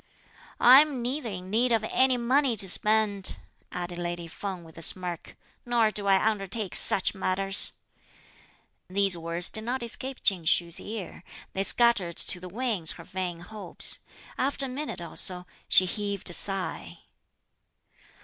"I'm neither in need of any money to spend," added lady Feng with a smirk, "nor do I undertake such matters!" These words did not escape Ching Hsü's ear; they scattered to the winds her vain hopes. After a minute or so she heaved a sigh.